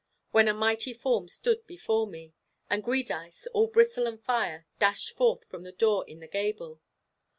when a mighty form stood beside me, and Giudice, all bristle and fire, dashed forth from the door in the gable.